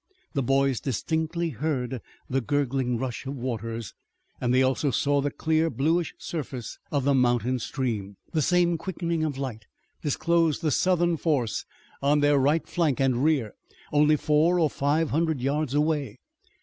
The boys distinctly heard the gurgling rush of waters, and they also saw the clear, bluish surface of the mountain stream. The same quickening of light disclosed the Southern force on their right flank and rear, only four or five hundred yards away.